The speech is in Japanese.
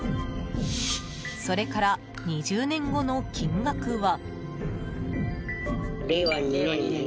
それから２０年後の金額は。